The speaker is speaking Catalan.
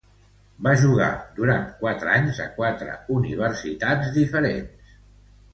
Va jugar durant quatre anys a quatre universitats diferents.